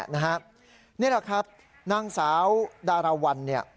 นี่แหละครับนางสาวดาราวัล